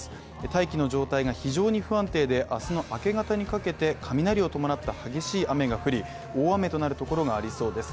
大気の状態が非常に不安定であすの明け方にかけて雷を伴った激しい雨が降り、大雨となるところがありそうです。